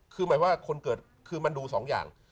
คือหมายว่าคนเกิดคือมันดูสองอย่าง